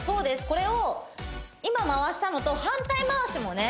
これを今回したのと反対回しもね